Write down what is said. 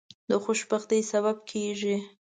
د خوشبختی سبب کیږي.